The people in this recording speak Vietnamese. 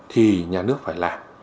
thì nhà nước phải làm